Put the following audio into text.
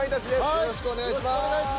よろしくお願いします。